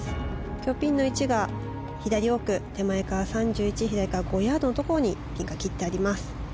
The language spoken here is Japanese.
今日ピンの位置が左奥手前から３１左から５ヤードのところにピンが切ってあります。